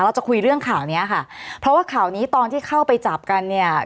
เราจะคุยเรื่องข่าวเนี้ยค่ะเพราะว่าข่าวนี้ตอนที่เข้าไปจับกันเนี่ย